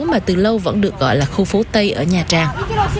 mà từ lâu vẫn được gọi là khu phố tây ở nha trang